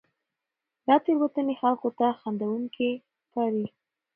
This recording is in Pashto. دا تېروتنې خلکو ته خندوونکې ښکاري.